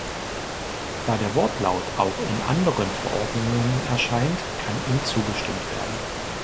Da der Wortlaut auch in anderen Verordnungen erscheint, kann ihm zugestimmt werden.